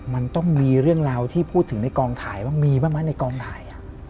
มันต้องมีเรื่องราวที่พูดถึงในกองถ่ายบ้างมีบ้างไหมในกองถ่าย